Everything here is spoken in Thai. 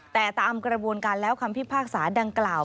แต่ตามกระบวนการแล้วคำพิพากษาดังกล่าว